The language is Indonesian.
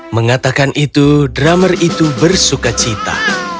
mengatakan itu drummer itu bersuka cita